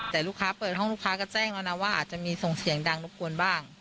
แต่ลูกค้าเปิดห้องลูกค้าก็แจ้งแล้วนะว่าอาจจะมีส่งเสียงดังรบกวนบ้าง